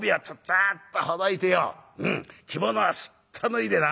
「着物はすっと脱いでな」。